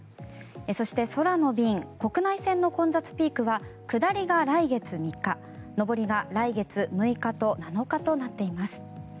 そして空の便国内線の混雑ピークは下りが来月３日上りが来月６日と７日となっています。